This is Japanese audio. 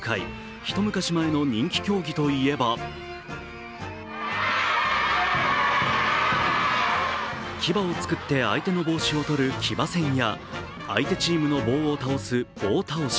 一昔前の人気競技といえば騎馬を作って相手の帽子をとる騎馬戦や相手チームの棒を倒す棒倒し。